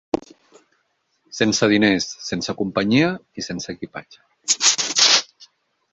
Sense diners, sense companyia i sense equipatge.